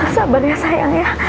sabar ya sayang ya